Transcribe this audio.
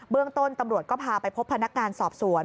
เรื่องต้นตำรวจก็พาไปพบพนักงานสอบสวน